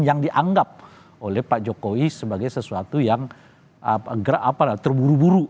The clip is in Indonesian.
yang dianggap oleh pak jokowi sebagai sesuatu yang terburu buru